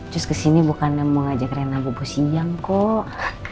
sus kesini bukan mau ngajak rena bobo siang kok